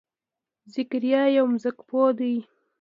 ذکریا یو ځمکپوه دی.